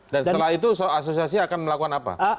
dan setelah itu asosiasi akan melakukan apa